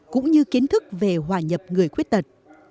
cũng như kiến thức về hòa nhập người khuyết tật